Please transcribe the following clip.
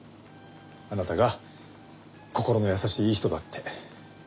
あなたが心の優しいいい人だって。